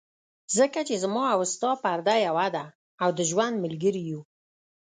ځکه چې زما او ستا پرده یوه ده، او د ژوند ملګري یو.